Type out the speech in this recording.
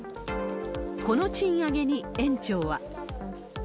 この賃上げに園長は。